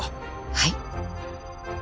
はい。